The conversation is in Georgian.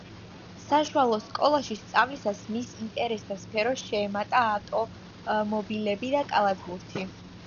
საშუალო სკოლაში სწავლისას მის ინტერესთა სფეროს შეემატა ავტომობილები და კალათბურთი.